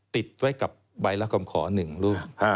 ติดไว้กับใบรับคำขอ๑รูป